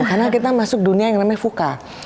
karena kita masuk dunia yang namanya fuka